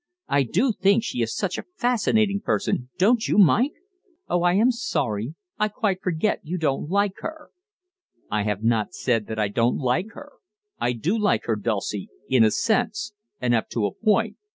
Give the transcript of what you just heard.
I do think she is such a fascinating person, don't you, Mike? Oh, I am sorry; I quite forget you don't like her." "I have not said I don't like her I do like her, Dulcie, in a sense, and up to a point.